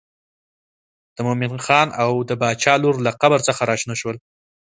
د مومن خان او د باچا لور له قبر څخه راشنه شول.